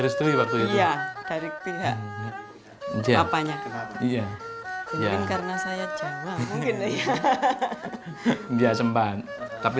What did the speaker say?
sempat tidak di restui